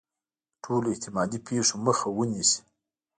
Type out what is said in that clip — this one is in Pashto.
د ټولو احتمالي پېښو مخه ونیسي.